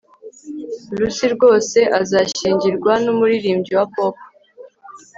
lucy rwose azashyingirwa numuririmbyi wa pop